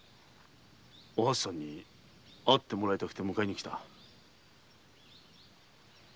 おはつさんに会ってもらいたくて迎えにきた。